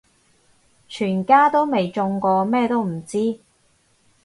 全家都未中過咩都唔知